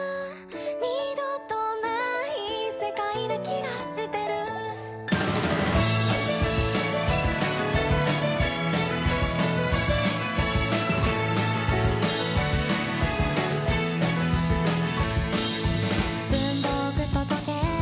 「二度とない世界な気がしてる」「文房具と時計